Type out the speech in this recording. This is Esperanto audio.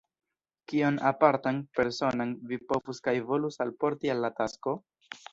Kion apartan, personan, vi povus kaj volus alporti al la tasko?